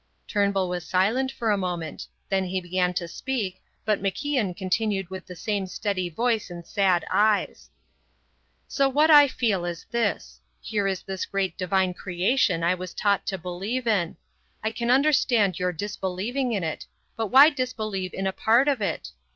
Turnbull was silent for a moment. Then he began to speak, but MacIan continued with the same steady voice and sad eyes: "So what I feel is this: Here is the great divine creation I was taught to believe in. I can understand your disbelieving in it, but why disbelieve in a part of it?